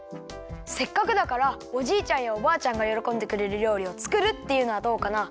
せっかくだからおじいちゃんやおばあちゃんがよろこんでくれるりょうりを作るっていうのはどうかな？